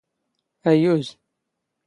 ⴰⵢⵢⵓⵣ